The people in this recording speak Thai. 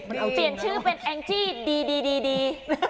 เปลี่ยนชื่อเป็นแองจี้ดี